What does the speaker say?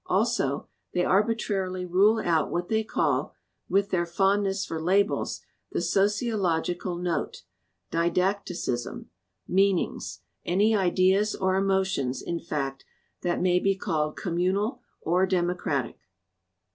Also they arbitrarily rule out what they call, with their fondness for labels, the 'sociological note,' 'didacticism,' 'meanings' any ideas or emotions, in fact, that may be called communal or democratic.